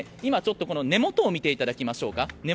根元を見ていただきましょう。